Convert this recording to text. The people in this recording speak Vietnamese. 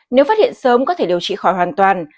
nếu phát hiện sớm có thể điều trị khỏi hoàn toàn